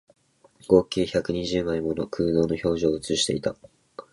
合計百二十枚もの空洞の表情を写していた